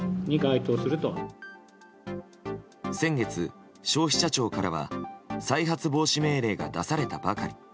先月、消費者庁からは再発防止命令が出されたばかり。